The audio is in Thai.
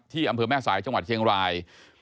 อำเภอแม่สายจังหวัดเชียงราย